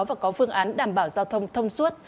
và có phương án đảm bảo giao thông thông suốt